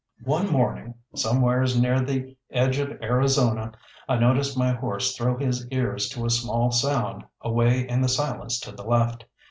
One morning, somewheres near the edge of Arizona, I noticed my horse throw his ears to a small sound away in the silence to the left.